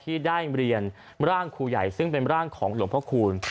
ที่ได้เรียนร่างครูใหญ่ซึ่งเป็นร่างของหลวงพระคูณ